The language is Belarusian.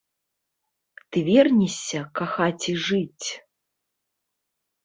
Ты вернешся кахаць і жыць?